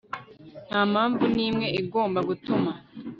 Nta mpamvu nimwe igomba gutuma